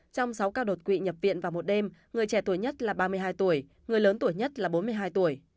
trong sáu ca đột quỵ nhập viện vào một đêm người trẻ tuổi nhất là ba mươi hai tuổi người lớn tuổi nhất là bốn mươi hai tuổi